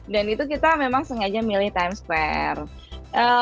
dan itu kita memang sengaja milih times square